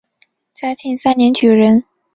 嘉庆三年举人。